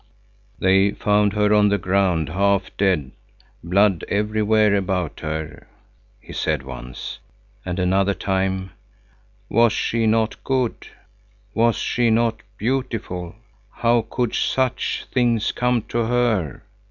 "They found her on the ground, half dead—blood everywhere about her," he said once. And another time: "Was she not good? Was she not beautiful? How could such things come to her?"